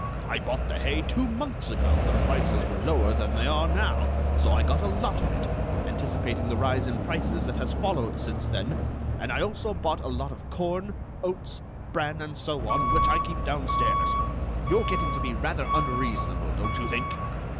I bought the hay two months ago, when prices were lower than they are now, so I got a lot of it, anticipating the rise in prices that has followed since then; and I also bought a large lot of corn, oats, bran, and so on, which I keep downstairs. You're getting to be rather unreasonable, don't you think?"